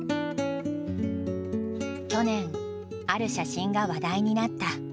去年ある写真が話題になった。